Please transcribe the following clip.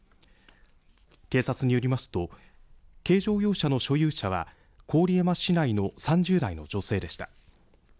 警察によりますと軽乗用車の所有者は、郡山市内の３０代の女性でした。